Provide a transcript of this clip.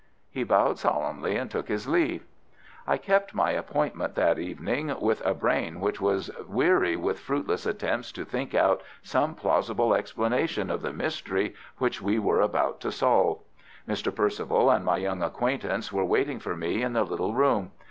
He bowed solemnly, and took his leave. I kept my appointment that evening, with a brain which was weary with fruitless attempts to think out some plausible explanation of the mystery which we were about to solve. Mr. Perceval and my young acquaintance were waiting for me in the little room.